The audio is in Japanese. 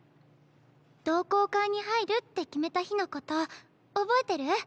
同好会に入るって決めた日のこと覚えてる？